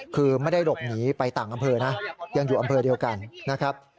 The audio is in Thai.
คือไม่ได้หลบหนีไปต่างอำเภอนะยังอยู่อำเภอเดียวกันนะครับ